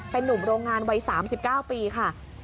เป็นนุ่มโรงงานวัย๓๙ปีค่ะ